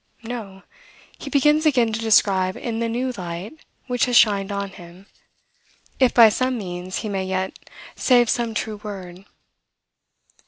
No; he begins again to describe in the new light which has shined on him, if, by some means, he may yet save some true word.